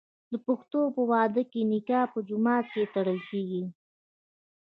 د پښتنو په واده کې نکاح په جومات کې تړل کیږي.